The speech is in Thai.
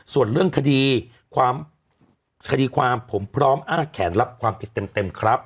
ส่วนเรื่องคดีความคดีความผมพร้อมอ้าแขนรับความผิดเต็มครับ